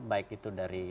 baik itu dari